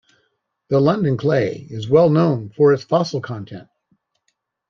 The London Clay is well known for its fossil content.